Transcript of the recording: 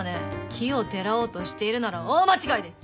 奇をてらおうとしているなら大間違いです！